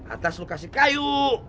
atas lu kasih kayu